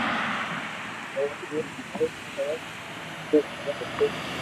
او ايڪ نيڪ ھين ھاچو ڀگت ھتو